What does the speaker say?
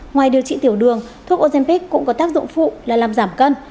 ngoài điều trị tiểu đường thuốc ojempic cũng có tác dụng phụ là làm giảm cân